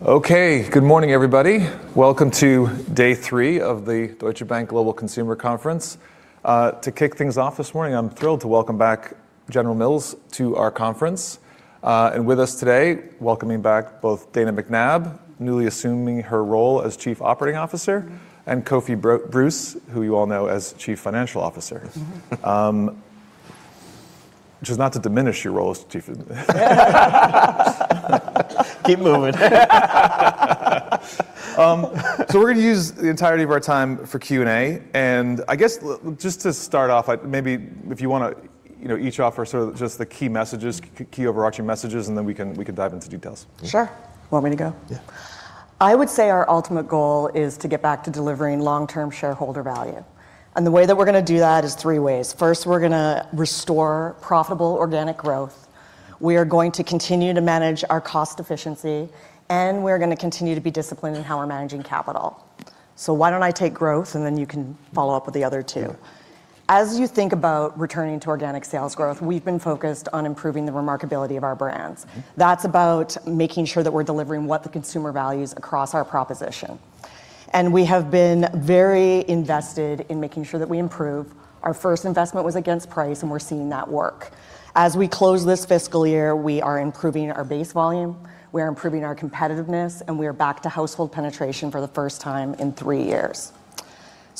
Okay. Good morning, everybody. Welcome to day three of the dbAccess Global Consumer Conference. To kick things off this morning, I'm thrilled to welcome back General Mills to our conference. With us today, welcoming back both Dana McNabb, newly assuming her role as Chief Operating Officer, and Kofi Bruce, who you all know as Chief Financial Officer. Yes. Which is not to diminish your role as Chief of- Keep moving. We're going to use the entirety of our time for Q&A. I guess just to start off, maybe if you want to each offer sort of just the key messages, key overarching messages, and then we can dive into details. Sure. Want me to go? Yeah. I would say our ultimate goal is to get back to delivering long-term shareholder value. The way that we're going to do that is three ways. First, we're going to restore profitable organic growth. We are going to continue to manage our cost efficiency, and we're going to continue to be disciplined in how we're managing capital. Why don't I take growth and then you can follow up with the other two. Yeah. As you think about returning to organic sales growth, we've been focused on improving the Remarkability of our brands. That's about making sure that we're delivering what the consumer values across our proposition. We have been very invested in making sure that we improve. Our first investment was against price, and we're seeing that work. As we close this fiscal year, we are improving our base volume, we're improving our competitiveness, and we are back to household penetration for the first time in three years.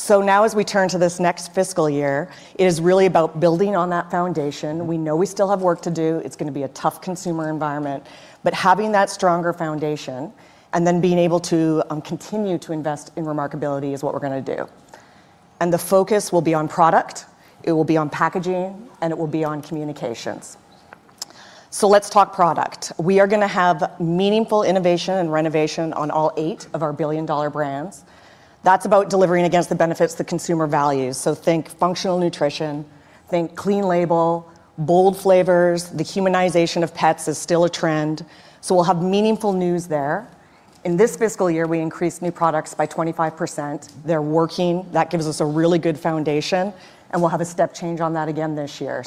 Now as we turn to this next fiscal year, it is really about building on that foundation. We know we still have work to do. It's going to be a tough consumer environment, but having that stronger foundation and then being able to continue to invest in Remarkability is what we're going to do. The focus will be on product, it will be on packaging, and it will be on communications. Let's talk product. We are going to have meaningful innovation and renovation on all eight of our billion-dollar brands. That's about delivering against the benefits the consumer values. Think functional nutrition, think clean label, bold flavors. The humanization of pets is still a trend. We'll have meaningful news there. In this fiscal year, we increased new products by 25%. They're working. That gives us a really good foundation, and we'll have a step change on that again this year.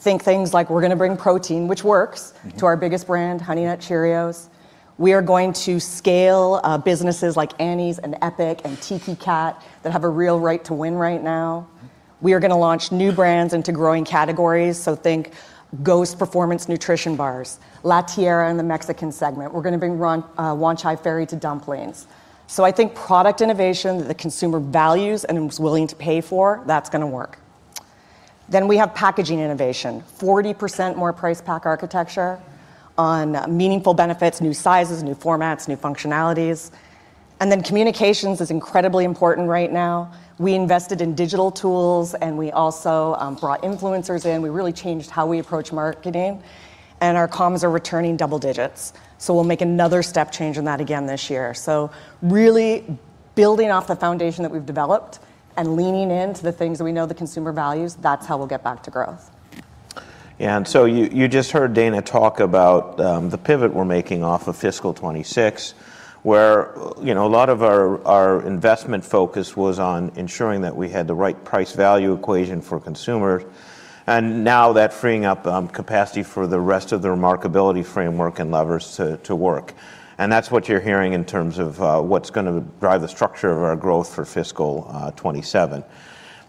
Think things like we're going to bring protein, which works, to our biggest brand, Honey Nut Cheerios. We are going to scale businesses like Annie's and EPIC and Tiki Cat that have a real right to win right now. We are going to launch new brands into growing categories. Think GHOST Performance nutrition bars, La Tiara in the Mexican segment. We're going to bring Wanchai Ferry to dumplings. I think product innovation that the consumer values and is willing to pay for, that's going to work. We have packaging innovation, 40% more Price Pack Architecture on meaningful benefits, new sizes, new formats, new functionalities. Communications is incredibly important right now. We invested in digital tools, and we also brought influencers in. We really changed how we approach marketing. Our comms are returning double digits. We'll make another step change on that again this year. Really building off the foundation that we've developed and leaning into the things that we know the consumer values, that's how we'll get back to growth. You just heard Dana talk about the pivot we're making off of fiscal 2026, where a lot of our investment focus was on ensuring that we had the right price-value equation for consumers, and now they're freeing up capacity for the rest of the Remarkability framework and levers to work. That's what you're hearing in terms of what's going to drive the structure of our growth for fiscal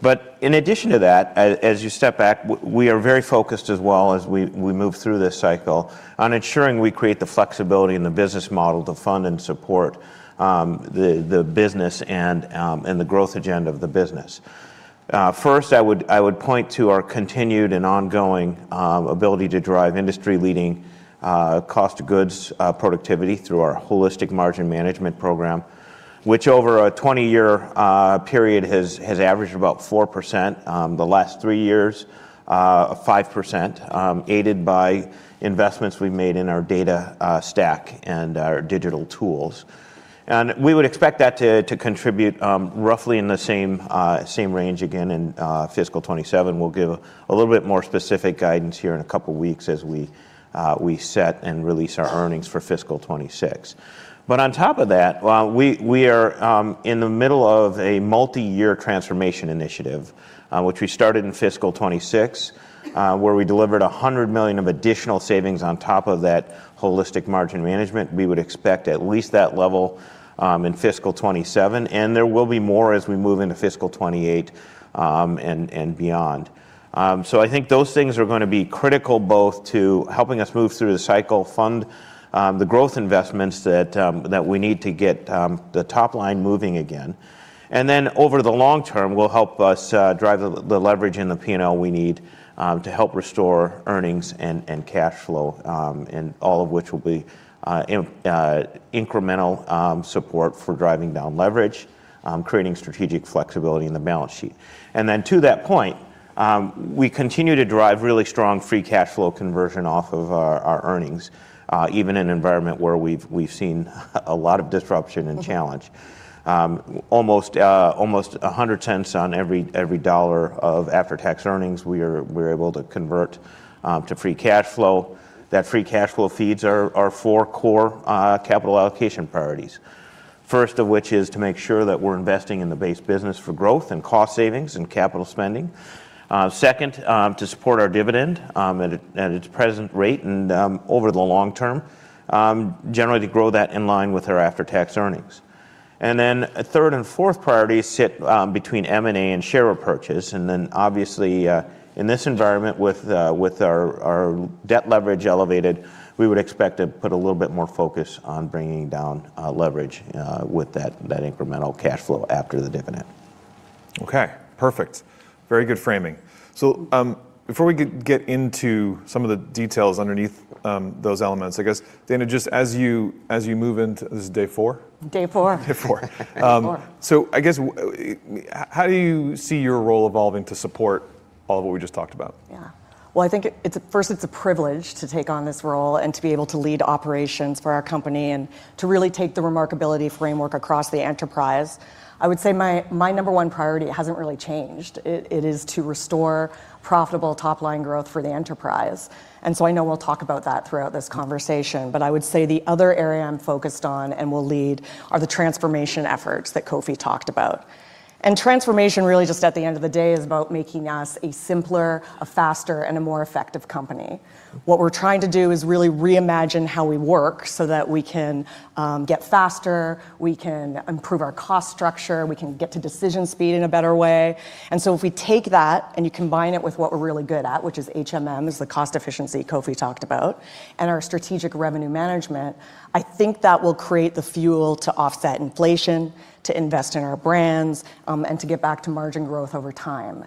2027. As you step back, we are very focused as well, as we move through this cycle, on ensuring we create the flexibility in the business model to fund and support the business and the growth agenda of the business. First, I would point to our continued and ongoing ability to drive industry-leading cost of goods productivity through our Holistic Margin Management program, which over a 20-year period has averaged about 4%, the last three years, 5%, aided by investments we've made in our data stack and our digital tools. We would expect that to contribute roughly in the same range again in fiscal 2027. We'll give a little bit more specific guidance here in a couple of weeks as we set and release our earnings for fiscal 2026. On top of that, we are in the middle of a multi-year transformation initiative, which we started in fiscal 2026, where we delivered $100 million of additional savings on top of that Holistic Margin Management. We would expect at least that level in fiscal 2027, and there will be more as we move into fiscal 2028, and beyond. I think those things are going to be critical both to helping us move through the cycle, fund the growth investments that we need to get the top line moving again. Over the long term will help us drive the leverage in the P&L we need to help restore earnings and cash flow, all of which will be incremental support for driving down leverage, creating strategic flexibility in the balance sheet. To that point, we continue to drive really strong free cash flow conversion off of our earnings, even in an environment where we've seen a lot of disruption and challenge. Almost $1.00 on every dollar of after-tax earnings we're able to convert to free cash flow. That free cash flow feeds our four core capital allocation priorities. First of which is to make sure that we're investing in the base business for growth and cost savings and capital spending. Second, to support our dividend, at its present rate and over the long term, generally to grow that in line with our after-tax earnings. Third and fourth priorities sit between M&A and share repurchase. Obviously, in this environment with our debt leverage elevated, we would expect to put a little bit more focus on bringing down leverage with that incremental cash flow after the dividend. Okay. Perfect. Very good framing. Before we get into some of the details underneath those elements, I guess, Dana, just as you move into, this is day four? Day four. Day four. Day four. I guess, how do you see your role evolving to support all of what we just talked about? Well, I think first it's a privilege to take on this role and to be able to lead operations for our company and to really take the Remarkability framework across the enterprise. I would say my number one priority hasn't really changed. It is to restore profitable top-line growth for the enterprise. I know we'll talk about that throughout this conversation, but I would say the other area I'm focused on and will lead are the transformation efforts that Kofi talked about. Transformation really just at the end of the day is about making us a simpler, a faster, and a more effective company. What we're trying to do is really reimagine how we work so that we can get faster, we can improve our cost structure, we can get to decision speed in a better way. If we take that and you combine it with what we're really good at, which is HMM, is the cost efficiency Kofi talked about, and our Strategic Revenue Management, I think that will create the fuel to offset inflation, to invest in our brands, and to get back to margin growth over time.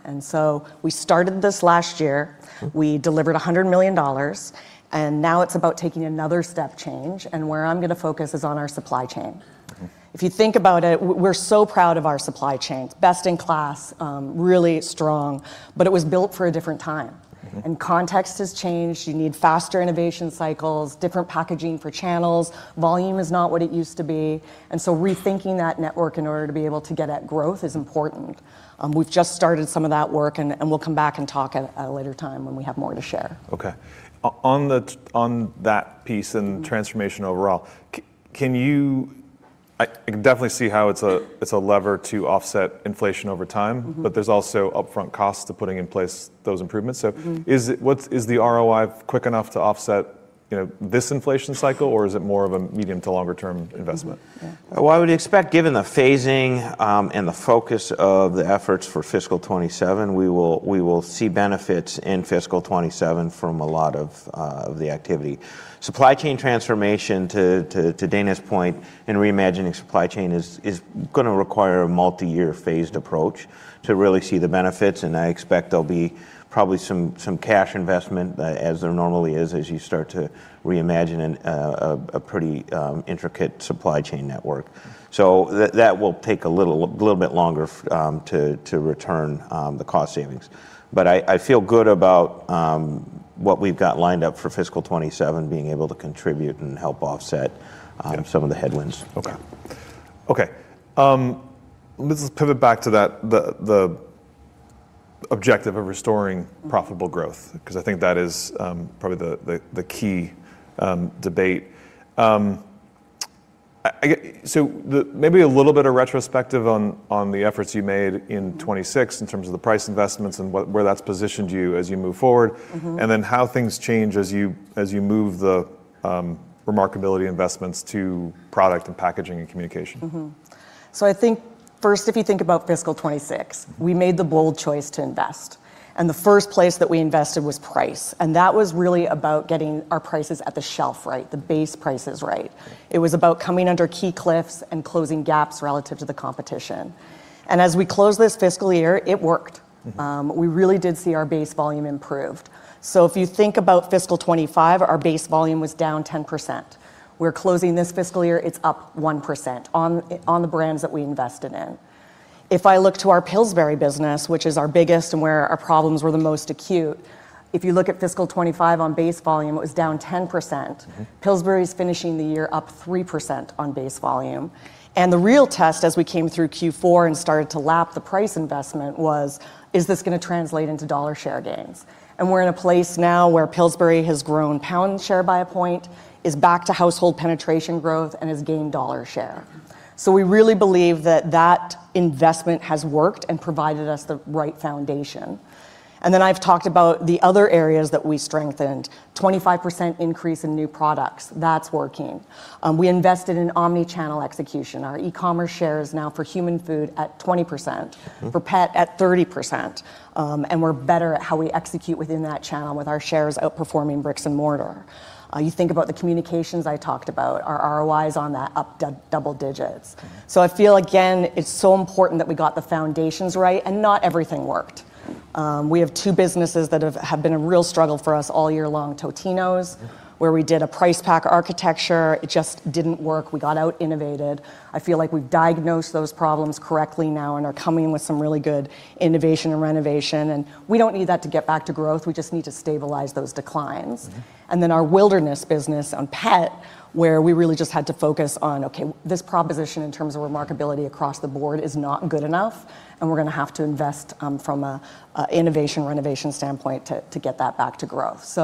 We started this last year. We delivered $100 million. Now it's about taking another step change, and where I'm going to focus is on our supply chain. If you think about it, we're so proud of our supply chain. It's best in class, really strong, it was built for a different time. Context has changed. You need faster innovation cycles, different packaging for channels. Volume is not what it used to be. Rethinking that network in order to be able to get at growth is important. We've just started some of that work, and we'll come back and talk at a later time when we have more to share. Okay. On that piece and transformation overall, I can definitely see how it's a lever to offset inflation over time. There's also upfront costs to putting in place those improvements. Is the ROI quick enough to offset this inflation cycle or is it more of a medium to longer term investment? Mm-hmm. Yeah. Well, I would expect given the phasing, and the focus of the efforts for fiscal 2027, we will see benefits in fiscal 2027 from a lot of the activity. Supply chain transformation, to Dana's point in reimagining supply chain, is going to require a multi-year phased approach to really see the benefits, and I expect there'll be probably some cash investment, as there normally is, as you start to reimagine a pretty intricate supply chain network. That will take a little bit longer to return the cost savings. I feel good about what we've got lined up for fiscal 2027 being able to contribute and help offset some of the headwinds. Okay. Let's pivot back to the objective of restoring profitable growth, because I think that is probably the key debate. Maybe a little bit of retrospective on the efforts you made in 2026 in terms of the price investments and where that's positioned you as you move forward. Then how things change as you move the Remarkability investments to product and packaging and communication. Mm-hmm. I think first, if you think about fiscal 2026, we made the bold choice to invest. The first place that we invested was price, and that was really about getting our prices at the shelf right, the base prices right. It was about coming under key cliffs and closing gaps relative to the competition. As we closed this fiscal year, it worked. We really did see our base volume improved. If you think about fiscal 2025, our base volume was down 10%. We're closing this fiscal year, it's up 1% on the brands that we invested in. If I look to our Pillsbury business, which is our biggest and where our problems were the most acute, if you look at fiscal 2025 on base volume, it was down 10%. Pillsbury's finishing the year up 3% on base volume. The real test as we came through Q4 and started to lap the price investment was, is this going to translate into dollar share gains? We're in a place now where Pillsbury has grown pound share by one point, is back to household penetration growth, and has gained dollar share. We really believe that that investment has worked and provided us the right foundation. I've talked about the other areas that we strengthened, 25% increase in new products. That's working. We invested in omni-channel execution. Our e-commerce share is now for human food at 20%, for pet at 30%, and we're better at how we execute within that channel with our shares outperforming bricks and mortar. You think about the communications I talked about, our ROIs on that up double digits. I feel, again, it's so important that we got the foundations right, and not everything worked. We have two businesses that have been a real struggle for us all year long, Totino's, where we did a Price Pack Architecture. It just didn't work. We got out-innovated. I feel like we've diagnosed those problems correctly now and are coming with some really good innovation and renovation, and we don't need that to get back to growth. We just need to stabilize those declines. Our BLUE Wilderness business on pet, where we really just had to focus on, okay, this proposition in terms of Remarkability across the board is not good enough, and we're going to have to invest from a innovation, renovation standpoint to get that back to growth.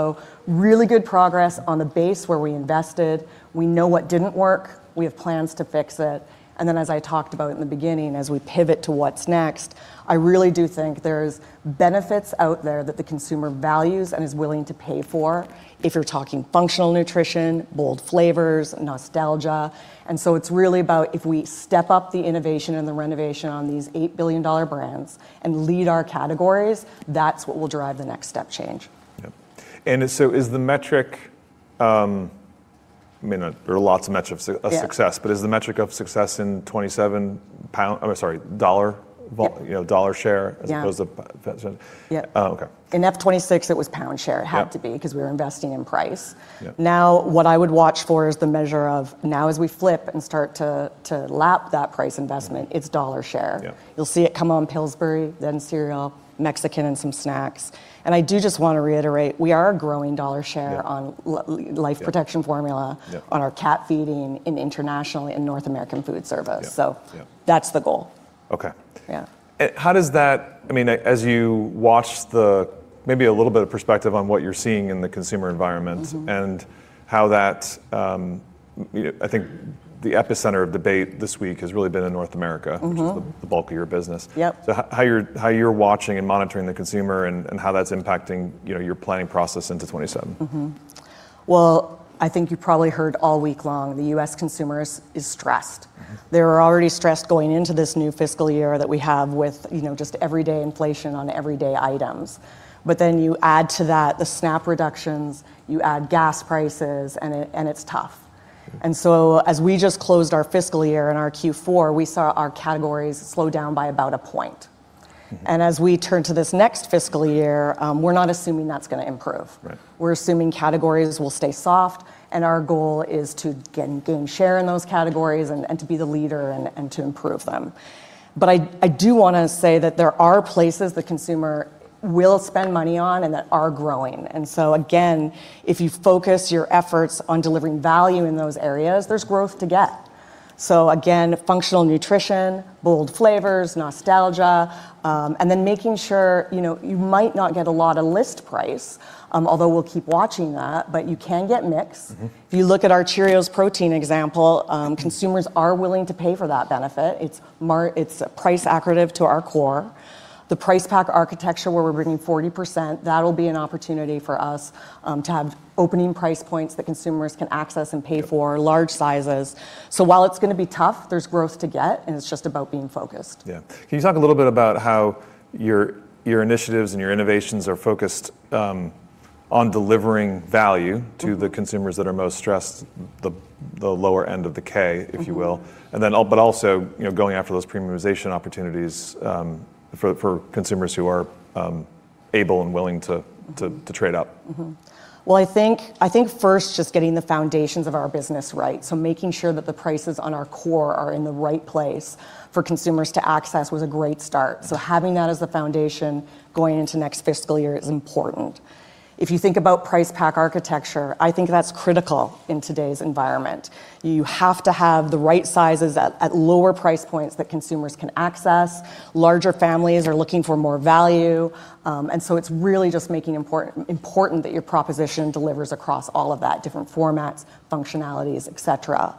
Really good progress on the base where we invested. We know what didn't work. We have plans to fix it. As I talked about in the beginning, as we pivot to what's next, I really do think there's benefits out there that the consumer values and is willing to pay for, if you're talking functional nutrition, bold flavors, nostalgia. It's really about if we step up the innovation and the renovation on these $8 billion brands and lead our categories, that's what will drive the next step change. Yep. Is the metric, I mean, there are lots of metrics of success- Yeah Is the metric of success in 2027, pound, or sorry, dollar- Yep dollar share- Yeah as opposed to Yeah. Oh, okay. In FY 2026 it was pound share. Yep it had to be, because we were investing in price. Yep. What I would watch for is the measure of, now as we flip and start to lap that price investment. it's dollar share. Yep. You'll see it come on Pillsbury, then cereal, Mexican, and some snacks. I do just want to reiterate, we are growing dollar share- Yep on l- Yep Life Protection Formula Yep on our cat feeding, and internationally and North America Foodservice. Yep. That's the goal. Okay. Yeah. I mean, as you watch, maybe a little bit of perspective on what you're seeing in the consumer environment? how that, I think the epicenter of debate this week has really been in North America. Which is the bulk of your business. Yep. How you're watching and monitoring the consumer and how that's impacting your planning process into 2027? Well, I think you probably heard all week long, the U.S. consumer is stressed. They were already stressed going into this new fiscal year that we have with just everyday inflation on everyday items. You add to that the SNAP reductions, you add gas prices, and it's tough. As we just closed our fiscal year and our Q4, we saw our categories slow down by about a point. As we turn to this next fiscal year, we're not assuming that's going to improve. Right. We're assuming categories will stay soft, and our goal is to gain share in those categories and to be the leader and to improve them. I do want to say that there are places the consumer will spend money on and that are growing. Again, if you focus your efforts on delivering value in those areas, there's growth to get. Again, functional nutrition, bold flavors, nostalgia, and then making sure, you might not get a lot of list price, although we'll keep watching that, but you can get mix. If you look at our Cheerios Protein example. consumers are willing to pay for that benefit. It's price accretive to our core. The Price Pack Architecture where we're bringing 40%, that'll be an opportunity for us to have opening price points that consumers can access and pay for. Yep large sizes. While it's going to be tough, there's growth to get, and it's just about being focused. Yeah. Can you talk a little bit about how your initiatives and your innovations are focused on delivering value? to the consumers that are most stressed, the lower end of the K, if you will. Also, going after those premiumization opportunities for consumers who are able and willing to trade up. I think first, just getting the foundations of our business right, so making sure that the prices on our core are in the right place for consumers to access was a great start. Having that as the foundation going into next fiscal year is important. If you think about Price Pack Architecture, I think that's critical in today's environment. You have to have the right sizes at lower price points that consumers can access. Larger families are looking for more value, and it's really just making important that your proposition delivers across all of that, different formats, functionalities, et cetera.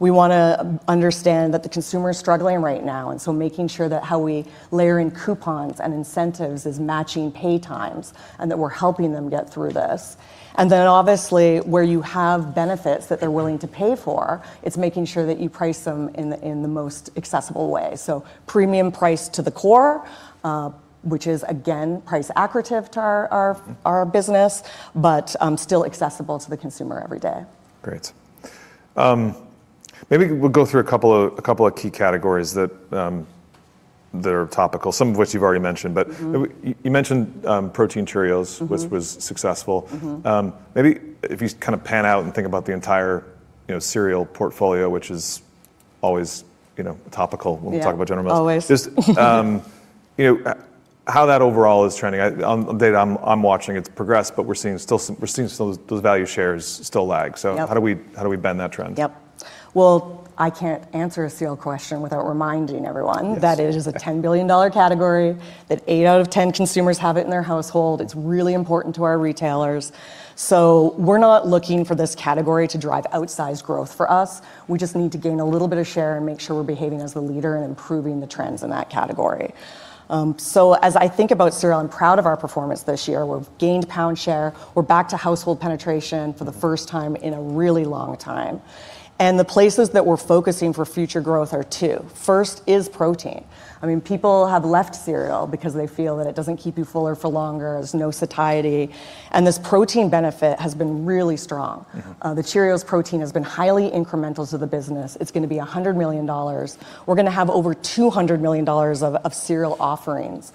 We want to understand that the consumer is struggling right now, making sure that how we layer in coupons and incentives is matching pay times, and that we're helping them get through this. Obviously, where you have benefits that they're willing to pay for, it's making sure that you price them in the most accessible way. Premium price to the core, which is again, price accretive to our business, but still accessible to the consumer every day. Great. Maybe we'll go through a couple of key categories that are topical, some of which you've already mentioned. you mentioned protein Cheerios. was successful. Maybe if you kind of pan out and think about the entire cereal portfolio, which is always topical. Yeah when we talk about General Mills. Always. Just how that overall is trending. The data, I'm watching it progress, but we're seeing those value shares still lag. Yep. How do we bend that trend? Yep. Well, I can't answer a cereal question without reminding everyone. Yes It is a $10 billion category, that eight out of 10 consumers have it in their household. It's really important to our retailers. We're not looking for this category to drive outsized growth for us. We just need to gain a little bit of share and make sure we're behaving as the leader and improving the trends in that category. As I think about cereal, I'm proud of our performance this year. We've gained pound share. We're back to household penetration for the first time in a really long time. The places that we're focusing for future growth are two. First is protein. I mean, people have left cereal because they feel that it doesn't keep you fuller for longer. There's no satiety. This protein benefit has been really strong. The Cheerios Protein has been highly incremental to the business. It's going to be $100 million. We're going to have over $200 million of cereal offerings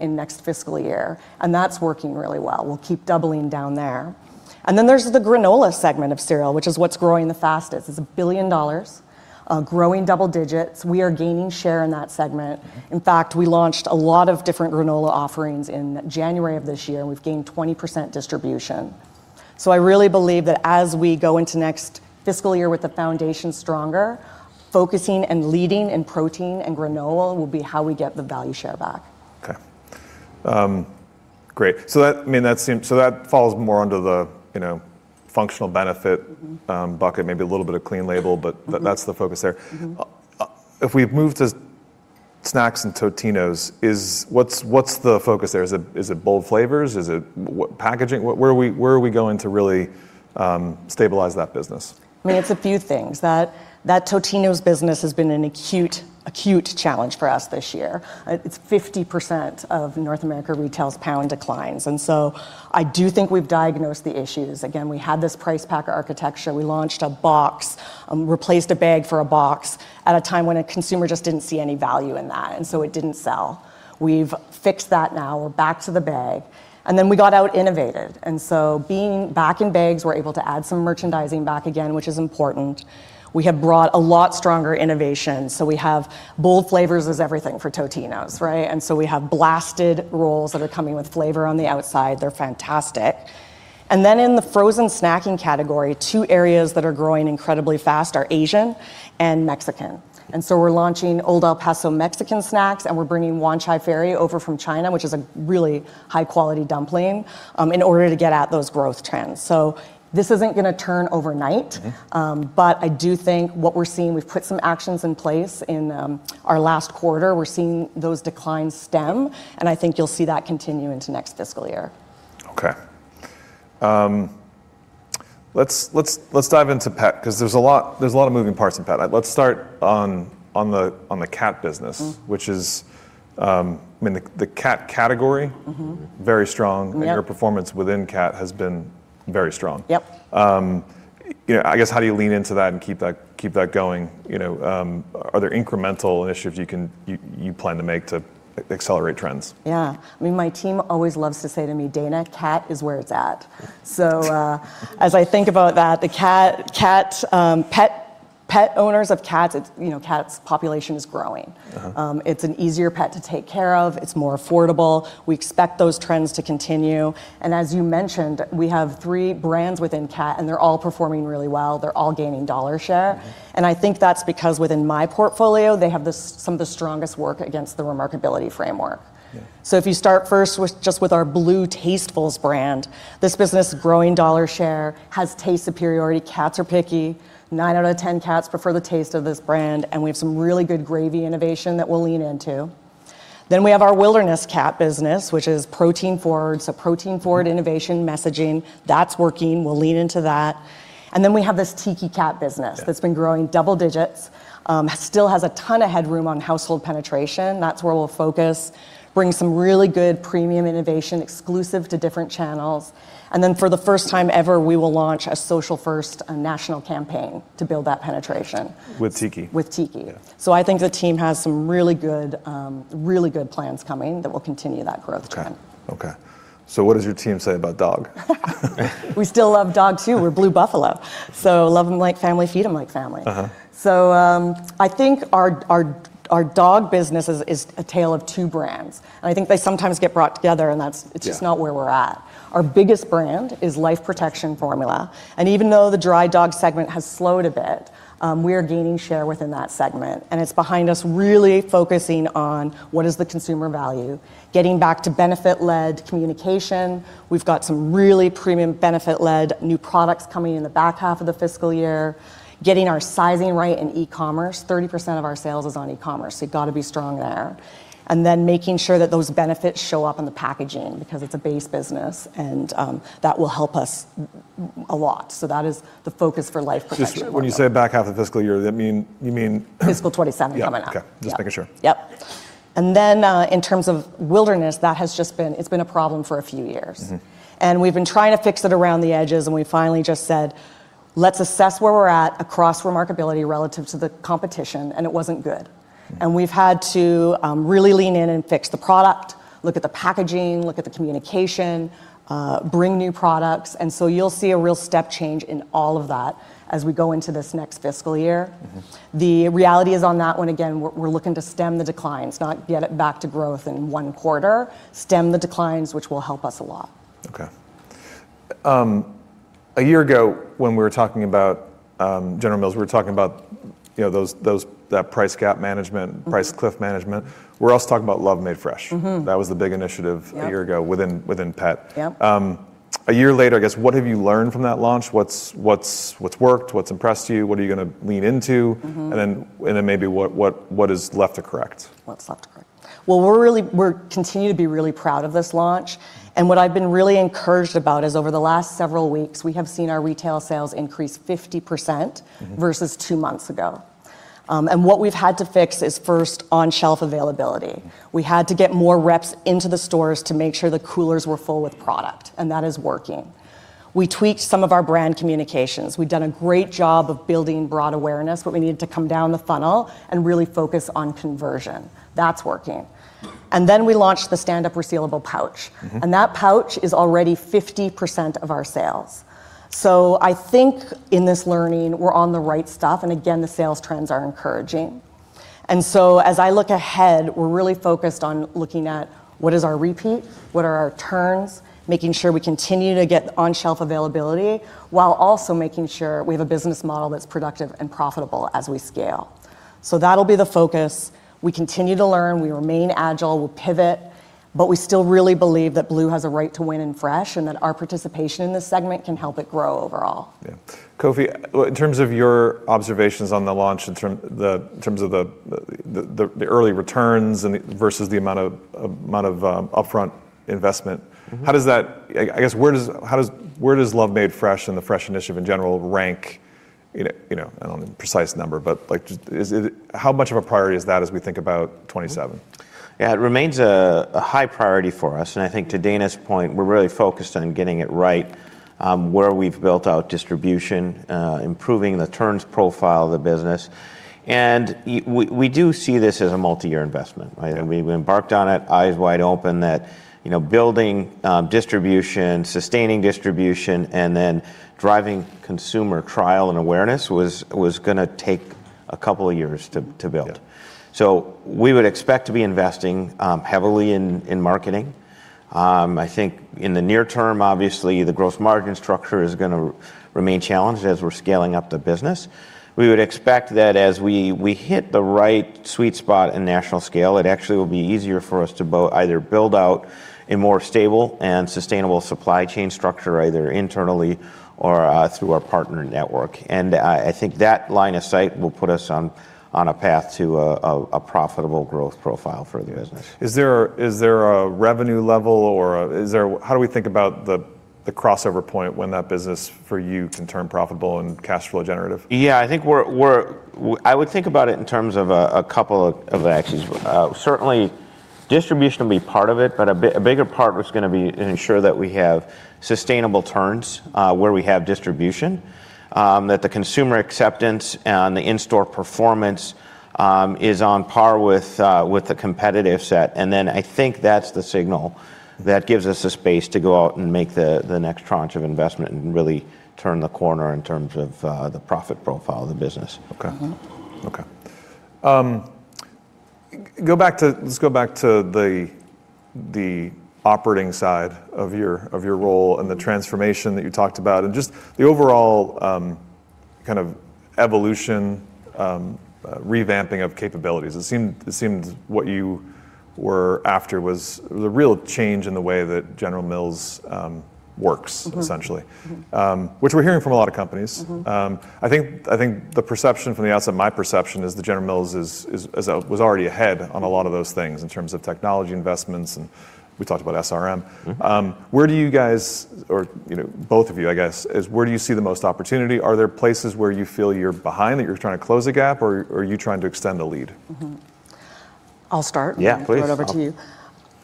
in next fiscal year. That's working really well. We'll keep doubling down there. There's the granola segment of cereal, which is what's growing the fastest. It's $1 billion, growing double digits. We are gaining share in that segment. In fact, we launched a lot of different granola offerings in January of this year, and we've gained 20% distribution. I really believe that as we go into next fiscal year with the foundation stronger, focusing and leading in protein and granola will be how we get the value share back. Okay. Great. That falls more under the functional benefit. bucket, maybe a little bit of clean label, but that's the focus there. If we move to Snacks and Totino's, what's the focus there? Is it bold flavors? Is it packaging? Where are we going to really stabilize that business? I mean, it's a few things. That Totino's business has been an acute challenge for us this year. It's 50% of North America Retail's pound declines. I do think we've diagnosed the issues. Again, we had this Price Pack Architecture. We launched a box and replaced a bag for a box at a time when a consumer just didn't see any value in that, and so it didn't sell. We've fixed that now. We're back to the bag. We got out-innovated. Being back in bags, we're able to add some merchandising back again, which is important. We have brought a lot stronger innovation. We have bold flavors is everything for Totino's, right? We have blasted rolls that are coming with flavor on the outside. They're fantastic. In the frozen snacking category, two areas that are growing incredibly fast are Asian and Mexican. We're launching Old El Paso Mexican snacks, and we're bringing Wanchai Ferry over from China, which is a really high-quality dumpling, in order to get at those growth trends. This isn't going to turn overnight. I do think what we're seeing, we've put some actions in place in our last quarter. We're seeing those declines stem, and I think you'll see that continue into next fiscal year. Okay. Let's dive into pet, because there's a lot of moving parts in pet. Let's start on the cat business. Which is, I mean, the cat category. very strong. Yep. Your performance within cat has been very strong. Yep. I guess, how do you lean into that and keep that going? Are there incremental initiatives you plan to make to accelerate trends? Yeah. I mean, my team always loves to say to me, Dana, cat is where it's at. As I think about that, pet owners of cats' population is growing. It's an easier pet to take care of. It's more affordable. We expect those trends to continue. As you mentioned, we have three brands within cat, and they're all performing really well. They're all gaining dollar share. I think that's because within my portfolio, they have some of the strongest work against the Remarkability framework. Yeah. If you start first just with our BLUE Tastefuls brand, this business, growing dollar share, has taste superiority. Cats are picky. Nine out of 10 cats prefer the taste of this brand, and we have some really good gravy innovation that we'll lean into. We have our BLUE Wilderness cat business, which is protein forward, so protein forward innovation messaging. That's working. We'll lean into that. We have this Tiki Cat business. Yeah that's been growing double digits. Still has a ton of headroom on household penetration. That's where we'll focus, bring some really good premium innovation exclusive to different channels. For the first time ever, we will launch a social-first national campaign to build that penetration. With Tiki? With Tiki. Yeah. I think the team has some really good plans coming that will continue that growth trend. Okay. What does your team say about dog? We still love dog, too. We're Blue Buffalo, love them like family, feed them like family. I think our dog business is a tale of two brands, and I think they sometimes get brought together. Yeah It's just not where we're at. Our biggest brand is Life Protection Formula. Even though the dry dog segment has slowed a bit, we are gaining share within that segment. It's behind us really focusing on what is the consumer value, getting back to benefit-led communication. We've got some really premium benefit-led new products coming in the back half of the fiscal year. Getting our sizing right in e-commerce. 30% of our sales is on e-commerce. You've got to be strong there. Making sure that those benefits show up on the packaging because it's a base business. That will help us a lot. That is the focus for Life Protection. When you say back half of fiscal year, you mean? Fiscal 2027 coming up. Yeah. Okay. Yeah. Just making sure. Yep. Then, in terms of Wilderness, that has just been a problem for a few years. We've been trying to fix it around the edges, and we finally just said, "Let's assess where we're at across Remarkability relative to the competition," and it wasn't good. We've had to really lean in and fix the product, look at the packaging, look at the communication, bring new products, and so you'll see a real step change in all of that as we go into this next fiscal year. The reality is on that one, again, we're looking to stem the declines, not get it back to growth in one quarter. Stem the declines, which will help us a lot. Okay. A year ago, when we were talking about General Mills, we were talking about that price gap management. price cliff management. We're also talking about Love Made Fresh. That was the big initiative. Yep a year ago within pet. Yep. A year later, I guess, what have you learned from that launch? What's worked? What's impressed you? What are you going to lean into? Maybe what is left to correct? What's left to correct. Well, we continue to be really proud of this launch, and what I've been really encouraged about is over the last several weeks, we have seen our retail sales increase 50%. versus two months ago. What we've had to fix is first on-shelf availability. We had to get more reps into the stores to make sure the coolers were full with product, and that is working. We tweaked some of our brand communications. We've done a great job of building broad awareness, but we needed to come down the funnel and really focus on conversion. That's working. We launched the stand-up resealable pouch. That pouch is already 50% of our sales. I think in this learning, we're on the right stuff, and again, the sales trends are encouraging. As I look ahead, we're really focused on looking at what is our repeat, what are our turns, making sure we continue to get on-shelf availability, while also making sure we have a business model that's productive and profitable as we scale. That'll be the focus. We continue to learn. We remain agile. We'll pivot. We still really believe that Blue has a right to win in fresh, and that our participation in this segment can help it grow overall. Yeah. Kofi, in terms of your observations on the launch, in terms of the early returns versus the amount of upfront investment- I guess, where does Love Made Fresh and the Fresh Initiative in general rank? I don't know the precise number, but just how much of a priority is that as we think about 2027? Yeah. It remains a high priority for us. I think to Dana's point, we're really focused on getting it right, where we've built out distribution, improving the turns profile of the business. We do see this as a multi-year investment, right? We embarked on it eyes wide open that building distribution, sustaining distribution, and then driving consumer trial and awareness was going to take a couple of years to build. Yeah. We would expect to be investing heavily in marketing. I think in the near term, obviously, the gross margin structure is going to remain challenged as we're scaling up the business. We would expect that as we hit the right sweet spot in national scale, it actually will be easier for us to either build out a more stable and sustainable supply chain structure, either internally or through our partner network. I think that line of sight will put us on a path to a profitable growth profile for the business. Is there a revenue level or how do we think about the crossover point when that business for you can turn profitable and cash flow generative? Yeah, I would think about it in terms of a couple of axes. Certainly, distribution will be part of it, but a bigger part was going to be ensure that we have sustainable turns where we have distribution. That the consumer acceptance and the in-store performance is on par with the competitive set. I think that's the signal that gives us the space to go out and make the next tranche of investment and really turn the corner in terms of the profit profile of the business. Okay. Okay. Let's go back to the operating side of your role and the transformation that you talked about, and just the overall kind of evolution, revamping of capabilities. It seemed what you were after was the real change in the way that General Mills works, essentially. Which we're hearing from a lot of companies. I think the perception from the outside, my perception is that General Mills was already ahead on a lot of those things in terms of technology investments, and we talked about SRM. Both of you, I guess, where do you see the most opportunity? Are there places where you feel you're behind, that you're trying to close a gap, or are you trying to extend a lead? I'll start. Yeah, please. Throw it over to you.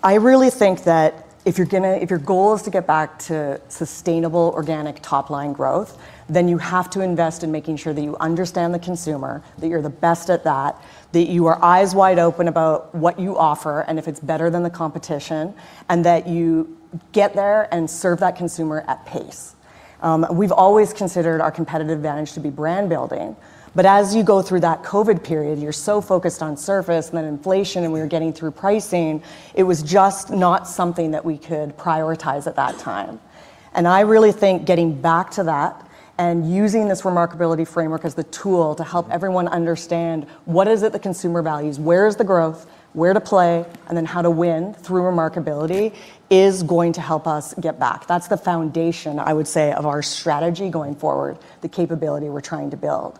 I really think that if your goal is to get back to sustainable organic top-line growth, then you have to invest in making sure that you understand the consumer, that you're the best at that you are eyes wide open about what you offer and if it's better than the competition, and that you get there and serve that consumer at pace. We've always considered our competitive advantage to be brand building, but as you go through that COVID period, you're so focused on service, and then inflation, and we were getting through pricing, it was just not something that we could prioritize at that time. I really think getting back to that and using this Remarkability framework as the tool to help everyone understand what is it the consumer values, where is the growth, where to play, and then how to win through Remarkability is going to help us get back. That's the foundation, I would say, of our strategy going forward, the capability we're trying to build.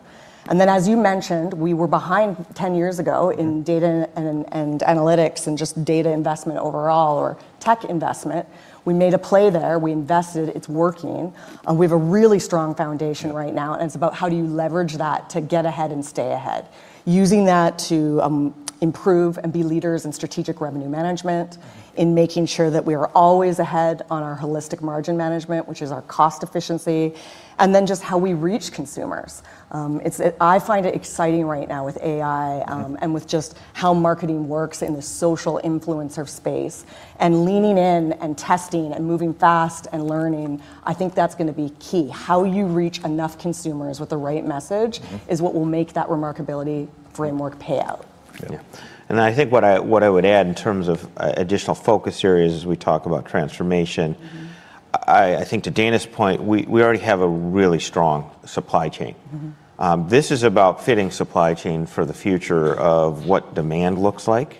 Then, as you mentioned, we were behind 10 years ago in data and analytics and just data investment overall, or tech investment. We made a play there. We invested. It's working. We have a really strong foundation right now, and it's about how do you leverage that to get ahead and stay ahead. Using that to improve and be leaders in Strategic Revenue Management, in making sure that we are always ahead on our Holistic Margin Management, which is our cost efficiency, and then just how we reach consumers. I find it exciting right now with AI- With just how marketing works in the social influencer space. Leaning in and testing and moving fast and learning, I think that's going to be key. How you reach enough consumers with the right message. is what will make that Remarkability framework pay out. Yeah. Yeah. I think what I would add in terms of additional focus areas as we talk about transformation. I think to Dana's point, we already have a really strong supply chain. This is about fitting supply chain for the future of what demand looks like.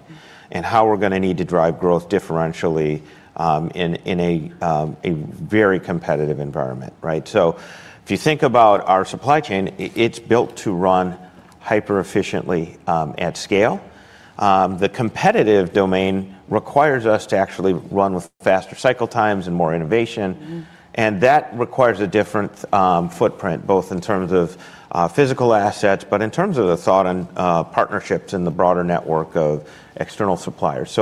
How we're going to need to drive growth differentially in a very competitive environment. Right? If you think about our supply chain, it's built to run hyper efficiently at scale. The competitive domain requires us to actually run with faster cycle times and more innovation. That requires a different footprint, both in terms of physical assets, but in terms of the thought and partnerships in the broader network of external suppliers.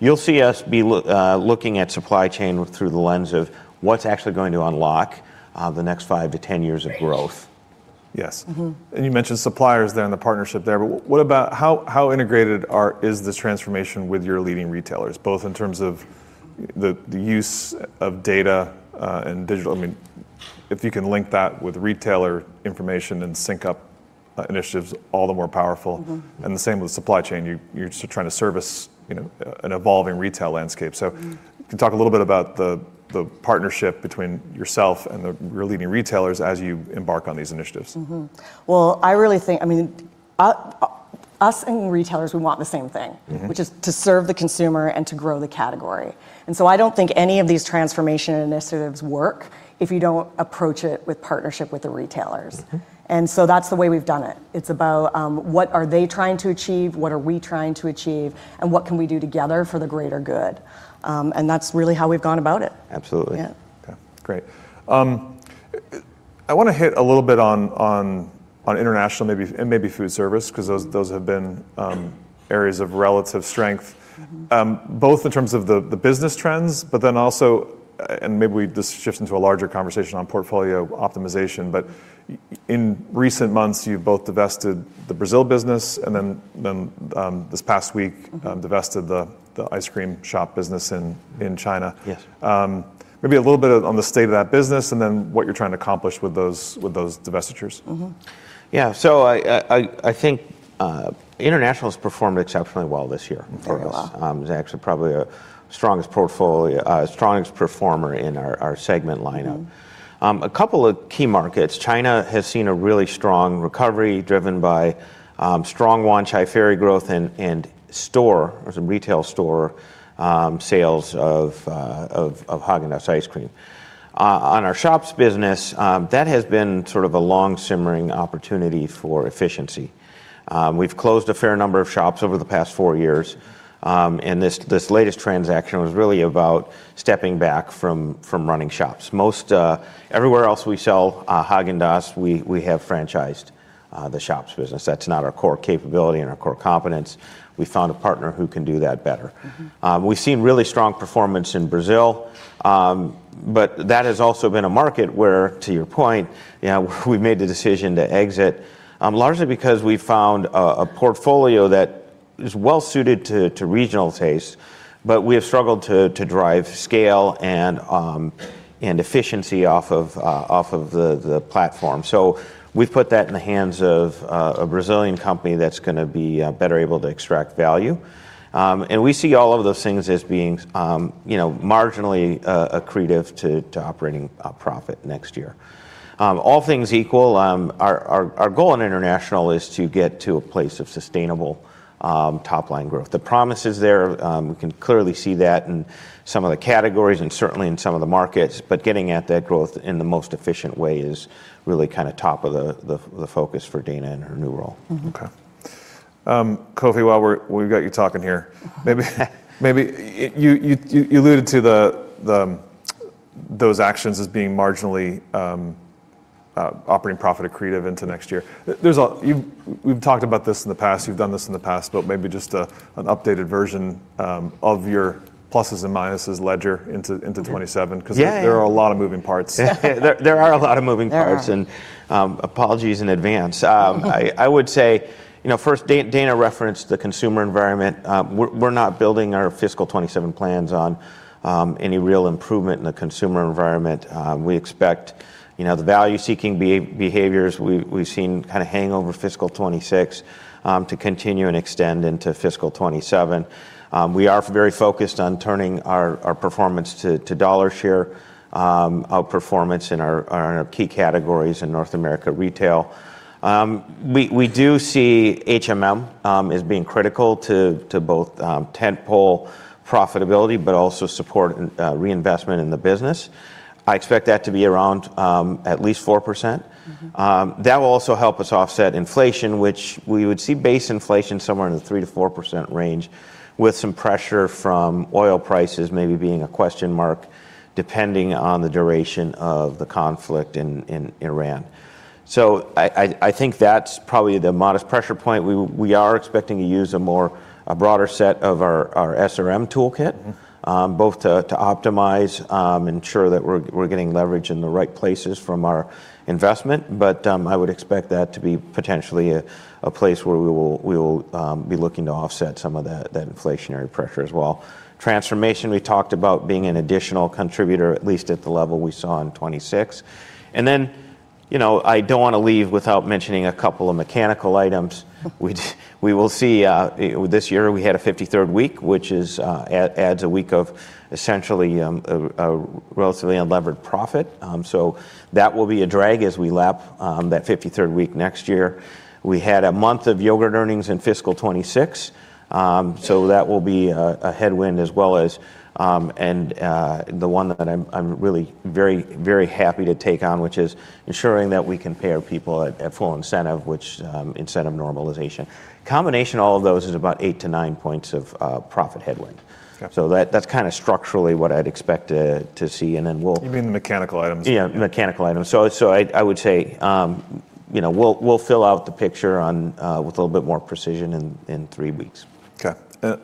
You'll see us be looking at supply chain through the lens of what's actually going to unlock the next 5-10 years of growth. Right. Yes. You mentioned suppliers there and the partnership there, what about how integrated is this transformation with your leading retailers, both in terms of the use of data and digital? If you can link that with retailer information and sync up initiatives, all the more powerful. The same with supply chain. You're trying to service an evolving retail landscape. You can talk a little bit about the partnership between yourself and the leading retailers as you embark on these initiatives. I really think, us and retailers, we want the same thing. Which is to serve the consumer and to grow the category. I don't think any of these transformation initiatives work if you don't approach it with partnership with the retailers. That's the way we've done it. It's about what are they trying to achieve? What are we trying to achieve, and what can we do together for the greater good? That's really how we've gone about it. Absolutely. Yeah. Okay, great. I want to hit a little bit on international and maybe food service, because those have been areas of relative strength. Both in terms of the business trends, but then also, and maybe this shifts into a larger conversation on portfolio optimization, but in recent months, you've both divested the Brazil business and then this past week. divested the ice cream shop business in China. Yes. A little bit on the state of that business and then what you're trying to accomplish with those divestitures. Yeah. I think international has performed exceptionally well this year for us. Very well. It's actually probably our strongest performer in our segment lineup. A couple of key markets, China has seen a really strong recovery driven by strong Wanchai Ferry growth and store, or some retail store sales of Häagen-Dazs ice cream. On our shops business, that has been sort of a long simmering opportunity for efficiency. We've closed a fair number of shops over the past four years, and this latest transaction was really about stepping back from running shops. Everywhere else we sell Häagen-Dazs, we have franchised the shops business. That's not our core capability and our core competence. We found a partner who can do that better. We've seen really strong performance in Brazil, but that has also been a market where, to your point, we've made the decision to exit, largely because we found a portfolio that is well-suited to regional taste, but we have struggled to drive scale and efficiency off of the platform. We've put that in the hands of a Brazilian company that's going to be better able to extract value. We see all of those things as being marginally accretive to operating profit next year. All things equal, our goal in international is to get to a place of sustainable top-line growth. The promise is there. We can clearly see that in some of the categories and certainly in some of the markets, but getting at that growth in the most efficient way is really kind of top of the focus for Dana and her new role. Okay. Kofi, while we've got you talking here, you alluded to those actions as being marginally operating profit accretive into next year. We've talked about this in the past, you've done this in the past, but maybe just an updated version of your pluses and minuses ledger into 2027. Yeah There are a lot of moving parts. There are a lot of moving parts. There are apologies in advance. I would say, first, Dana McNabb referenced the consumer environment. We're not building our fiscal 2027 plans on any real improvement in the consumer environment. We expect the value-seeking behaviors we've seen kind of hang over fiscal 2026 to continue and extend into fiscal 2027. We are very focused on turning our performance to dollar share, out performance in our key categories in North America Retail. We do see HMM as being critical to both tentpole profitability, but also support reinvestment in the business. I expect that to be around at least 4%. That will also help us offset inflation, which we would see base inflation somewhere in the 3%-4% range, with some pressure from oil prices maybe being a question mark, depending on the duration of the conflict in Iran. I think that's probably the modest pressure point. We are expecting to use a broader set of our SRM toolkit both to optimize, ensure that we're getting leverage in the right places from our investment. I would expect that to be potentially a place where we will be looking to offset some of that inflationary pressure as well. Transformation, we talked about being an additional contributor, at least at the level we saw in 2026. I don't want to leave without mentioning a couple of mechanical items, which we will see, this year we had a 53rd week, which adds a week of essentially, a relatively unlevered profit. That will be a drag as we lap that 53rd week next year. We had a month of yogurt earnings in FY 2026. That will be a headwind as well as, and the one that I'm really very happy to take on, which is ensuring that we can pay people at full incentive. Combination of all of those is about eight to nine points of profit headwind. Okay. That's kind of structurally what I'd expect to see, and then. You mean the mechanical items? Yeah, mechanical items. I would say, we'll fill out the picture with a little bit more precision in three weeks. Okay.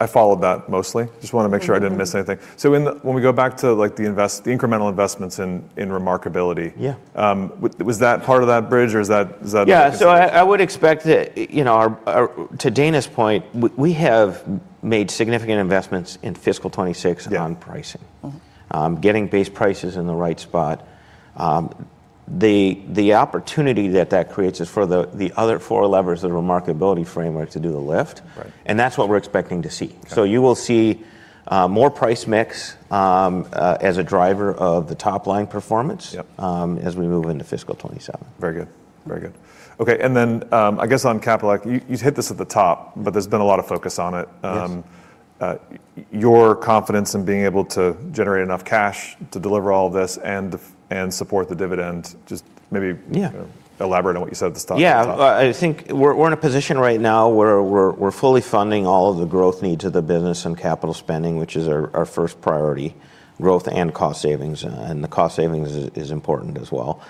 I followed that mostly. I just want to make sure I didn't miss anything. When we go back to the incremental investments in Remarkability- Yeah was that part of that bridge? Yeah, I would expect that, to Dana's point, we have made significant investments in fiscal 2026. Yeah on pricing. Getting base prices in the right spot. The opportunity that that creates is for the other four levers of the Remarkability framework to do the lift. Right. That's what we're expecting to see. Okay. You will see more price mix as a driver of the top line performance. Yep as we move into fiscal 2027. Very good. Okay. I guess on capital, you hit this at the top, but there's been a lot of focus on it. Yes. Your confidence in being able to generate enough cash to deliver all of this and support the dividend. Yeah Elaborate on what you said at the start. I think we're in a position right now where we're fully funding all of the growth needs of the business and capital spending, which is our first priority, growth and cost savings, and the cost savings is important as well.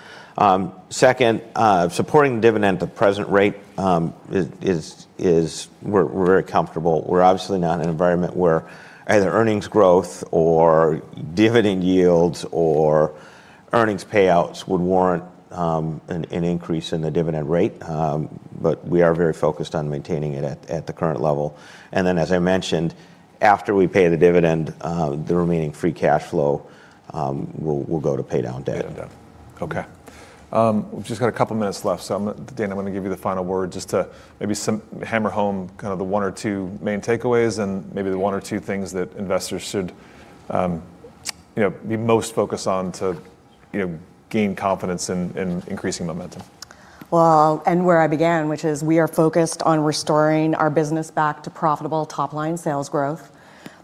Second, supporting the dividend at the present rate, we're very comfortable. We're obviously not in an environment where either earnings growth or dividend yields or earnings payouts would warrant an increase in the dividend rate. We are very focused on maintaining it at the current level. As I mentioned, after we pay the dividend, the remaining free cash flow will go to pay down debt. Pay down debt. Okay. We've just got a couple of minutes left. Dana, I'm going to give you the final word just to maybe hammer home kind of the one or two main takeaways and maybe the one or two things that investors should be most focused on to gain confidence in increasing momentum. I'll end where I began, which is we are focused on restoring our business back to profitable top-line sales growth.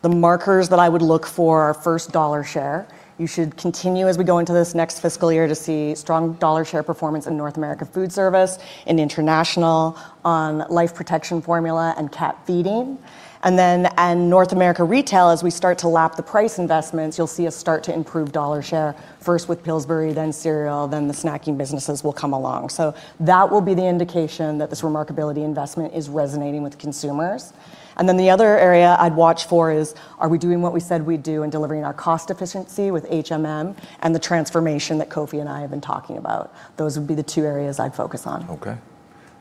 The markers that I would look for are first dollar share. You should continue as we go into this next fiscal year to see strong dollar share performance in North America Foodservice, in international, on Life Protection Formula and cat feeding. In North America Retail, as we start to lap the price investments, you'll see us start to improve dollar share first with Pillsbury, then cereal, then the snacking businesses will come along. That will be the indication that this Remarkability investment is resonating with consumers. The other area I'd watch for is, are we doing what we said we'd do and delivering our cost efficiency with HMM and the transformation that Kofi and I have been talking about? Those would be the two areas I'd focus on. Okay.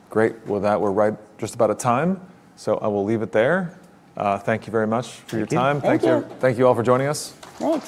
Great. Well, with that, we're right just about at time, so I will leave it there. Thank you very much for your time. Thank you. Thank you. Thank you all for joining us. Thanks.